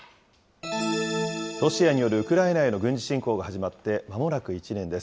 ロシアによるウクライナへの軍事侵攻が始まって間もなく１年です。